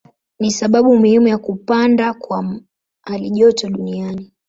Ni sababu muhimu ya kupanda kwa halijoto duniani.